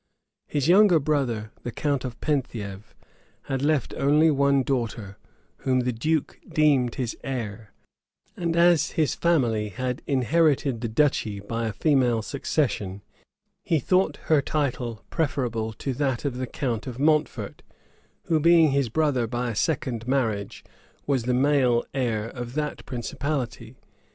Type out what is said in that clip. His younger brother, the count of Penthiev had left only one daughter, whom the duke deemed his heir; and as his family had inherited the duchy by a female succession, he thought her title preferable to that of the count of Mountfort, who, being his brother by a second marriage, was the male heir of that principality.